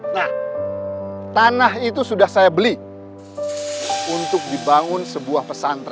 nah tanah itu sudah saya beli untuk dibangun sebuah pesantren